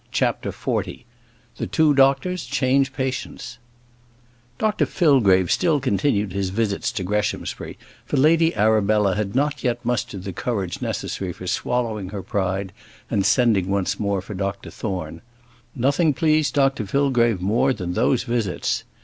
CHAPTER XL The Two Doctors Change Patients Dr Fillgrave still continued his visits to Greshamsbury, for Lady Arabella had not yet mustered the courage necessary for swallowing her pride and sending once more for Dr Thorne. Nothing pleased Dr Fillgrave more than those visits.